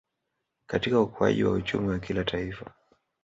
Katika ukuaji wa uchumi wa kila Taifa